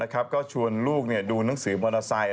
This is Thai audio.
ก็ชวนลูกดูหนังสือมอเตอร์ไซค